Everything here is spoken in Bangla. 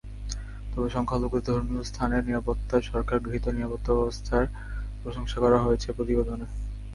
তবে সংখ্যালঘুদের ধর্মীয় স্থানের নিরাপত্তায় সরকার গৃহীত নিরাপত্তাব্যবস্থার প্রশংসা করা হয়েছে প্রতিবেদনে।